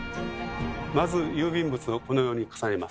まず郵便物をこのように重ねます。